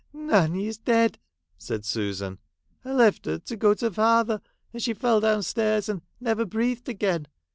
' Nanny is dead !' said Susan. ' I left her to go to father, and she fell down stairs, and never breathed again.